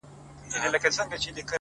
زه درته څه ووايم؛